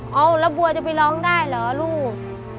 เอาแล้วบัวจะไปร้องได้เหรอลูก